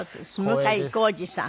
向井康二さん。